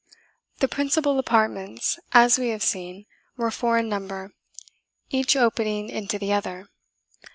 The principal apartments, as we have seen, were four in number, each opening into the other.